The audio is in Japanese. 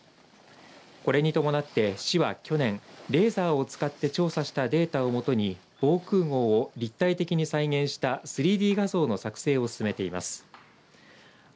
これに伴って市は去年レーザーを使って調査したデータを基に防空ごうを立体的に再現した３Ｄ画像の作成を進めています。